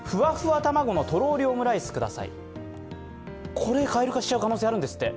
これ、蛙化しちゃう可能性あるんですって。